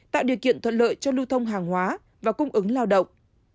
tạo điều kiện thuận lợi cho lưu thông hàng hóa và cung ứng lao động